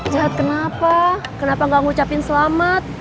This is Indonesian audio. jahat kenapa kenapa gak ngucapin selamat